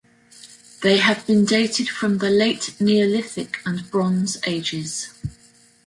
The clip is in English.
They have been dated from the late Neolithic and Bronze Ages.